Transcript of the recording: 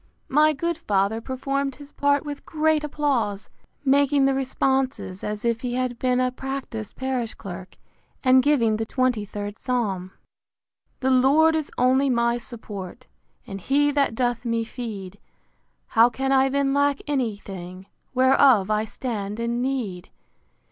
My good father performed his part with great applause, making the responses, as if he had been a practised parish clerk; and giving the xxiiid psalm, [The Lord is only my support, And he that doth me feed: How can I then lack any thing Whereof I stand in need?